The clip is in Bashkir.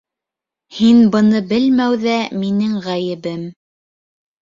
Һин быны белмәүҙә минең ғәйебем.